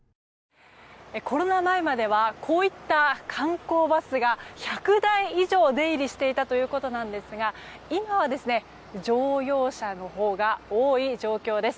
コロナ前まではこういった観光バスが１００台以上出入りしていたということですが今は乗用車の方が多い状況です。